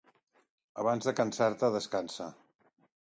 Abans de cansar-te descansa.